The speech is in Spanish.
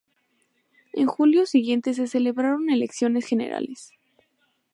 En julio siguiente se celebraron elecciones generales.